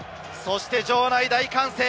場内大歓声！